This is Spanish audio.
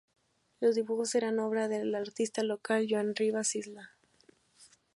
Los dibujos eran obra del artista local Joan Ribas Isla.